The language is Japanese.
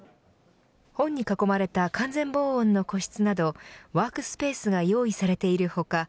本に囲まれた完全防音の個室などワークスペースが用意されている他